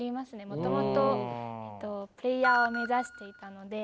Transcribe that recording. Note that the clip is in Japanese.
もともとプレーヤーを目指していたので。